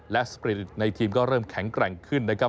และสกรีตในทีมก็เริ่มแข็งแกร่งขึ้นนะครับ